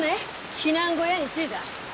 避難小屋に着いだ？